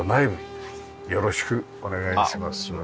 よろしくお願いします。